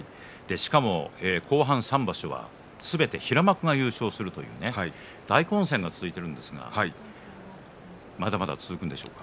しかも後半３場所は攻めて平幕の優勝するという大混戦が続いたわけですがまだまだ続くでしょうか。